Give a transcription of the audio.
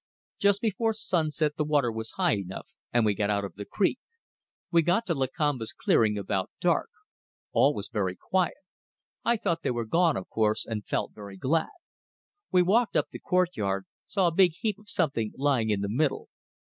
Just before sunset the water was high enough, and we got out of the creek. We got to Lakamba's clearing about dark. All very quiet; I thought they were gone, of course, and felt very glad. We walked up the courtyard saw a big heap of something lying in the middle.